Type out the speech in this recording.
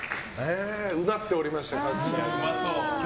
うなっておりました、各チーム。